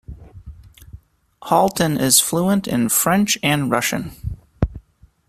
Halton is fluent in French and Russian.